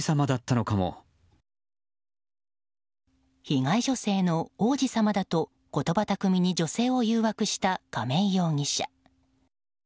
被害女性の王子様だと言葉巧みに女性を誘惑した亀井容疑者。